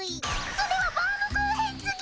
それはバームクーヘンつぎ！